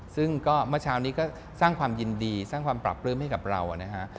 ซึ่งก็เมื่อเช้านี้ก็สร้างความยินดีสร้างความปรับปลื้มให้กับเรานะฮะ